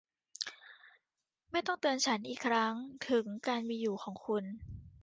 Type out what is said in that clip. ไม่ต้องเตือนฉันอีกครั้งถึงการมีอยู่ของคุณ